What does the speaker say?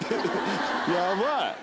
やばい。